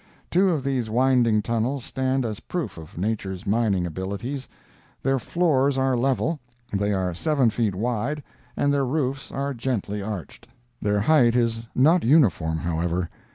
Two of these winding tunnels stand as proof of Nature's mining abilities. Their floors are level, they are seven feet wide, and their roofs are gently arched. Their height is not uniform, however.